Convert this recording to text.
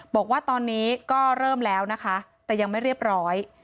บอกว่าตอนนี้ก็เริ่มแล้วนะคะแต่ยังไม่เรียบร้อย